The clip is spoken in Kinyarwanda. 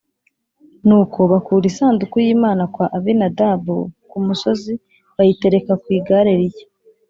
Nuko bakura isanduku y’Imana kwa Abinadabu ku musozi bayitereka ku igare rishya